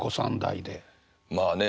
まあね